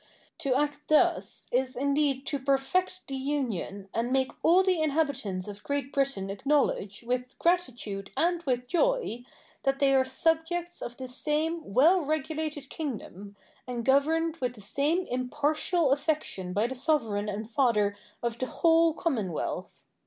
To act thus is indeed to perfect the union and make all the inhabitants of Great Britain acknowledge, with gratitude and with joy, that they are subjects of the same well regulated kingdom, and governed with the same impartial affection by the sovereign and father of the whole commonwealth.